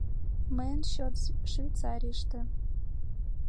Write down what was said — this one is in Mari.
Мыйын счёт — Швейцарийыште!